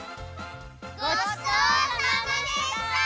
ごちそうさまでした！